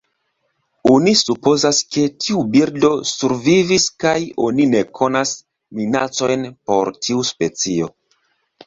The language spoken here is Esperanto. Oni supozas ke tiu birdo survivis kaj oni ne konas minacojn por tiu specio.